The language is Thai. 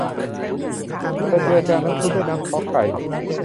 เธอเจือจางน้ำซุปด้วยน้ำสต๊อกไก่